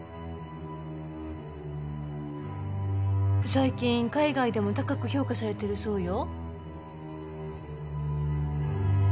最近海外でも高く評価されてるそうよ。